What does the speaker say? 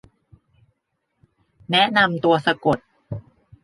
แนะนำตัวสะกด